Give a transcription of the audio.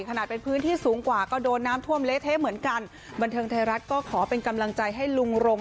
ขนาดเป็นพื้นที่สูงกว่าก็โดนน้ำท่วมเละเทะเหมือนกันบันเทิงไทยรัฐก็ขอเป็นกำลังใจให้ลุงรง